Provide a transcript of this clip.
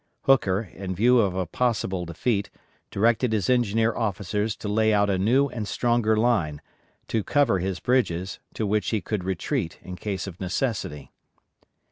Hooker, in view of a possible defeat, directed his engineer officers to lay out a new and stronger line, to cover his bridges, to which he could retreat in case of necessity.